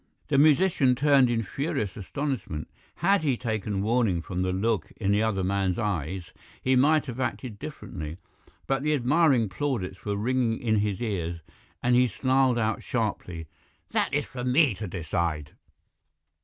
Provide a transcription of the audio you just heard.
"The musician turned in furious astonishment. Had he taken warning from the look in the other man's eyes he might have acted differently. But the admiring plaudits were ringing in his ears, and he snarled out sharply, 'That is for me to decide.'